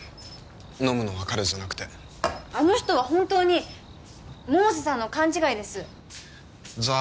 飲むのは彼じゃなくてあの人は本当に百瀬さんの勘違いですじゃ